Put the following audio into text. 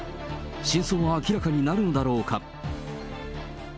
真相は明らかになるんだろうか。